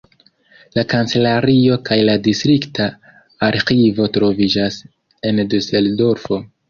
La kancelario kaj la distrikta arĥivo troviĝis en Duseldorfo.